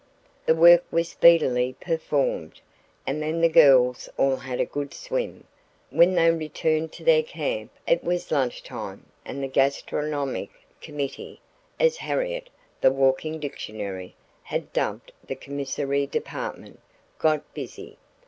The work was speedily performed and then the girls all had a good swim. When they returned to their camp, it was lunch time and the "gastronomic committee," as Harriet, the "walking dictionary," had dubbed the commissary department, got busy.